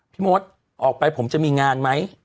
มดออกไปผมจะมีงานไหม